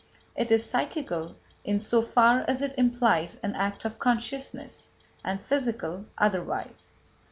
It is psychical in so far as it implies an act of consciousness, and physical otherwise.